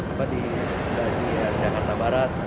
apa di jakarta barat